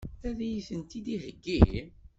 Ad iyi-tent-id-iheggi?